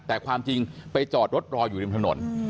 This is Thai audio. แต่ความจริงไปจอดรถรออยู่ริมถนน